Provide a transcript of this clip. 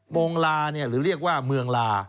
โมงลาหรือเรียกว่าเมืองลา